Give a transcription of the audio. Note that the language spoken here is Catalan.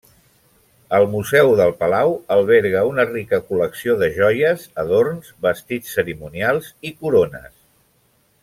El Museu del Palau alberga una rica col·lecció de joies, adorns, vestits cerimonials i corones.